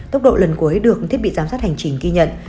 tốc độ lần cuối được thiết bị giám sát hành trình ghi nhận